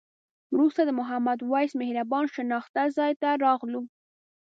وروسته د محمد وېس مهربان شناخته ځای ته راغلو.